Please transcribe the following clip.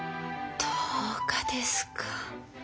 １０日ですか。